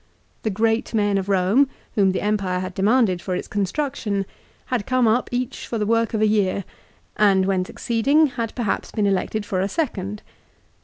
The great men of Rome, whom the empire had demanded for its construction, had come up each for the work of a year ; and, when succeeding, had perhaps been elected for a second.